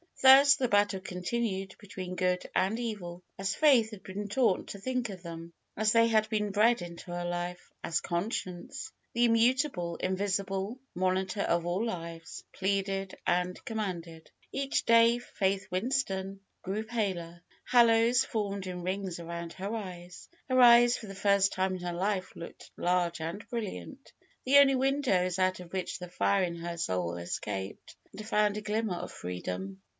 Thus the battle continued between good and evil as Faith had FAITH 251 been taught to think of them, as they had been bred into her life, as conscience, the immutable, invisible monitor of all lives, pleaded and commanded. Each day Faith Winston grew paler. Hollows formed in rings around her eyes. And her eyes for the first time in her life looked large and brilliant, the only win dows out of which the fire in her soul escaped, and found a glimmer of freedom.